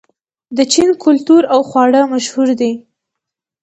د چین کلتور او خواړه مشهور دي.